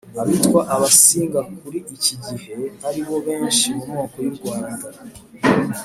abitwa abasinga kuri iki gihe ari bo benshi mu moko y'u rwanda